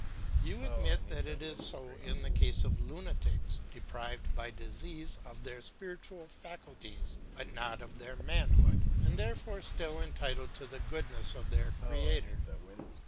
You admit that it is so in the case of lunatics deprived by disease of their spiritual faculties, but not of their manhood, and therefore still entitled to the goodness of their Creator.